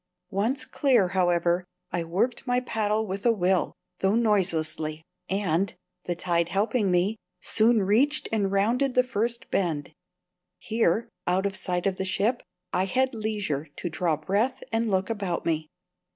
Once clear, however, I worked my paddle with a will, though noiselessly; and, the tide helping me, soon reached and rounded the first bend. Here, out of sight of the ship, I had leisure to draw breath and look about me.